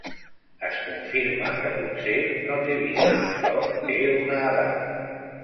Es confirma que potser no té vici, però té una edat.